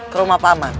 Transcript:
ke rumah paman